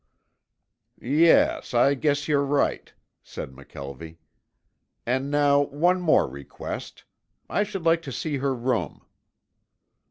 "Yes, I guess you're right," said McKelvie. "And now one more request. I should like to see her room."